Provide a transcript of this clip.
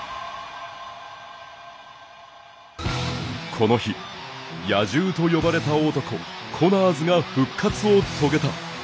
この日、野獣と呼ばれた男コナーズが復活を遂げた。